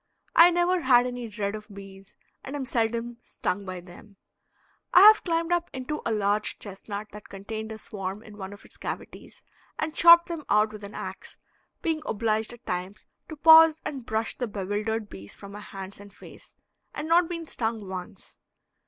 I never had any dread of bees and am seldom stung by them. I have climbed up into a large chestnut that contained a swarm in one of its cavities and chopped them out with an ax, being obliged at times to pause and brush the bewildered bees from my hands and face, and not been stung once.